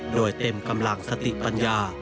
โดยเต็มกำลังสติปัญญา